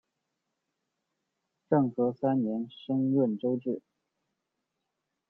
政和三年升润州置。